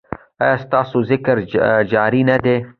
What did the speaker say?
ایا ستاسو ذکر جاری نه دی؟